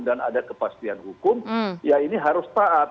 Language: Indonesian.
dan ada kepastian hukum ya ini harus taat